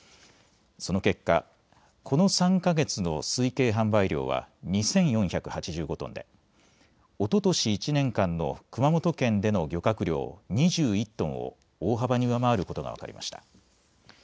その結果、この３か月の推計販売量は２４８５トンでおととし１年間の熊本県での漁獲量２１トンを大幅に上回ることが分かりました。